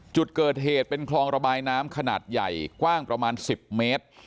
จุดเกิดเหตุเป็นคลองระบายน้ำขนาดใหญ่กว้างประมาณ๑๐เมตร